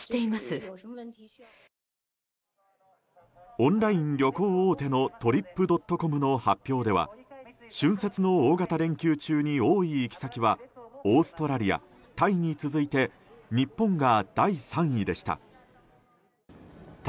オンライン旅行大手のトリップドットコムの発表では春節の大型連休中に多い行き先はオーストラリア、タイに続いて日本が第３位でした。